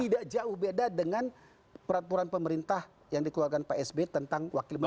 dan tidak jauh beda dengan peraturan pemerintah yang dikeluarkan psb tentang wakil menteri